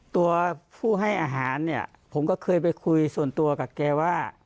ตัวผู้ให้อาหารเนี่ยผมก็เคยไปคุยส่วนตัวกับแกว่า